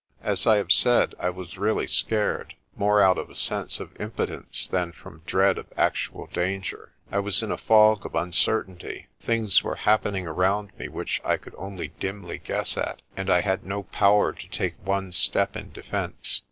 As I have said, I was really scared, more out of a sense of impotence than from dread of actual danger. I was in a fog of uncertainty. Things were happening around me which I could only dimly guess at, and I had no power to take one step in defence.